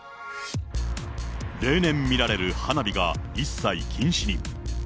例年見られる花火が一切禁止に。